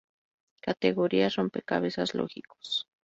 Categorías: Rompecabezas lógicos